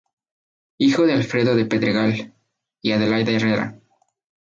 Hijo de Alfredo del Pedregal y Adelaida Herrera.